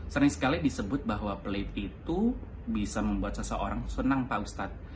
sering sekali disebut bahwa pelit itu bisa membuat seseorang senang pak ustadz